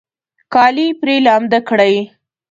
کالي پرې لامده کړئ